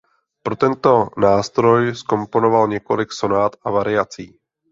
Pro tento nástroj zkomponoval několik sonát a variací.